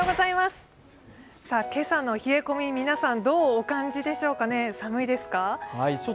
今朝の冷え込み、皆さんどうお感じでしょうかね、寒いですか。